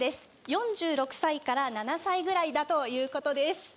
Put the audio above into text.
４６歳から４７歳ぐらいだということです。